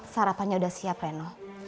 sarapannya udah siap reno